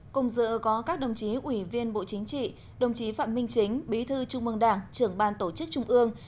cùng dự có các đồng chí ủy viên bộ chính trị đồng chí phạm minh chính bí thư trung mương đảng trưởng ban tổ chức trung ương